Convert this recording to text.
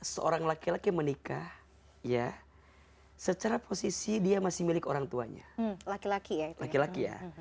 seorang laki laki menikah ya secara posisi dia masih milik orang tuanya laki laki ya laki laki ya